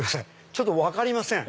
ちょっと分かりません。